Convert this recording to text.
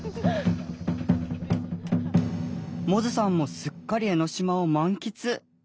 百舌さんもすっかり江の島を満喫！